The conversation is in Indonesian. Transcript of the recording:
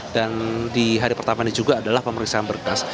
dan di hari pertama ini juga adalah pemeriksaan berkas